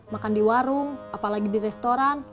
makan di warung apalagi di restoran